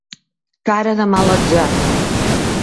Cara de mal atzar.